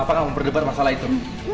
papa gak mau berdebar masalah itu